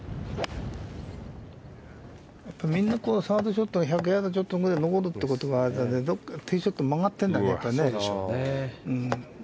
みんなサードショットが１００ヤードちょっとくらい残るってことは、どこかでティーショットが曲がってるんだね。